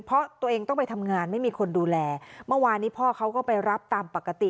เพราะตัวเองต้องไปทำงานไม่มีคนดูแลเมื่อวานนี้พ่อเขาก็ไปรับตามปกติ